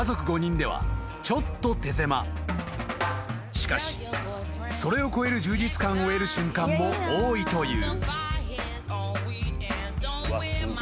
［しかしそれを超える充実感を得る瞬間も多いという］